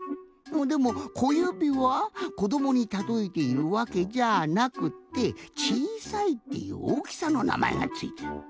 でも小指はこどもにたとえているわけじゃなくってちいさいっていうおおきさのなまえがついてる。